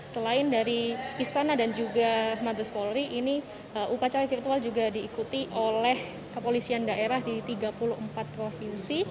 selain dari istana dan juga mabes polri ini upacara virtual juga diikuti oleh kepolisian daerah di tiga puluh empat provinsi